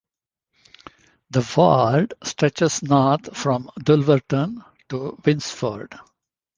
The ward stretches north from "Dulverton" to Winsford.